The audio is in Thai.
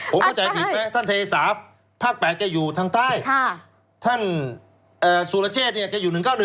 ผมเข้าใจผิดไหมท่านเทสาภาค๘แกอยู่ทางใต้ท่านสุรเชษเนี่ยแกอยู่๑๙๑